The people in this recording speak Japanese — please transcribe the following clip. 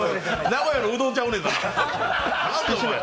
名古屋のうどんちゃうねんから！